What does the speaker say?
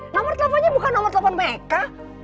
nomor teleponnya bukan nomor telepon mereka